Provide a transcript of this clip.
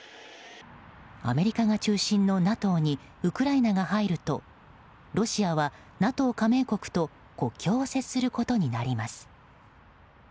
アメリカが中心のＮＡＴＯにウクライナが入るとロシアはＮＡＴＯ加盟国と国境を接することになります。